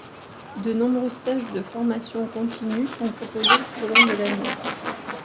De nombreux stages de formation continue sont proposés tout au long de l'année.